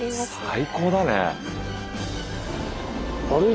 最高だね。